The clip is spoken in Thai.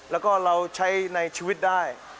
แล้วก็เราใช้ในชีวิตได้